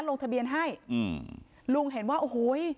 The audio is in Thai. ลงทะเบียนให้อืมลุงเห็นว่าโอ้โห